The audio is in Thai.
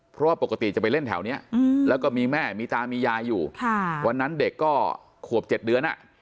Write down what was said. เพราะว่าปกติจะไปเล่นแถวนี้แล้วก็มีแม่มีตามียายอยู่วันนั้นเด็กก็ขวบ๗เดือน